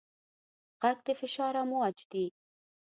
غږ د فشار امواج دي.